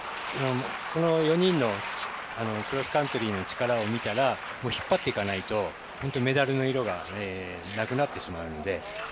この４人のクロスカントリーの力を見たら引っ張っていかないとメダルの色がなくなってしまうので。